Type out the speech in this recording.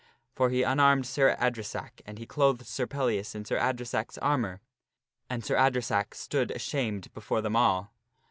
For he unarmed %%%j Sir Sir Adresack and he clothed Sir Pellias in Sir Adresack's armor, and Sir Adresack stood ashamed before them all.